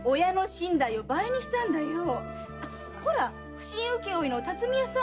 普請請負の辰巳屋さん。